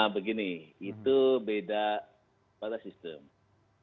begini itu beda pada sistem